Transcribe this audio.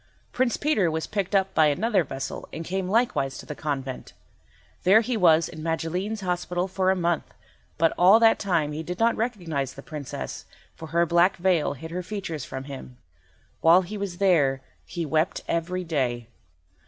Prince Peter was picked up by another vessel and came likewise to the convent. There he was in Magilene's hospital for a month, but all that time he did not recognise the Princess, for her black veil hid her features from him. While he was there he wept every day.